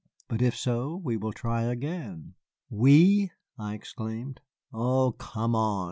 But if so, we will try again." "We!" I exclaimed. "Oh, come on!"